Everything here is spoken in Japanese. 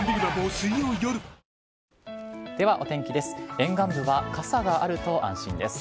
沿岸部は傘があると安心です。